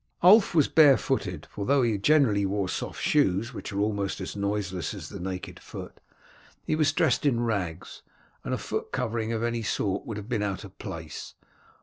Ulf was barefooted, for although he generally wore soft shoes which were almost as noiseless as the naked foot, he was dressed in rags, and a foot covering of any sort would have been out of place.